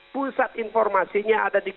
pusat informasinya ada di